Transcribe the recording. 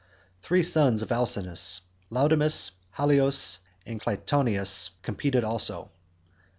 Three sons of Alcinous, Laodamas, Halios, and Clytoneus, competed also.